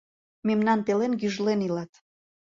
Мемнан пелен гӱжлен илат.